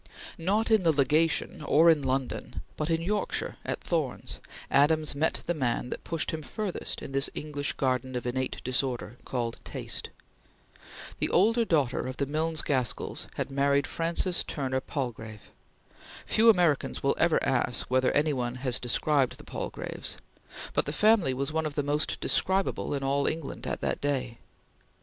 Not in the Legation, or in London, but in Yorkshire at Thornes, Adams met the man that pushed him furthest in this English garden of innate disorder called taste. The older daughter of the Milnes Gaskells had married Francis Turner Palgrave. Few Americans will ever ask whether any one has described the Palgraves, but the family was one of the most describable in all England at that day.